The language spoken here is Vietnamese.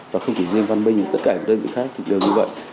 và không chỉ riêng văn minh tất cả những đơn vị khác thì đều như vậy